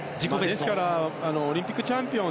ですからオリンピックチャンピオン。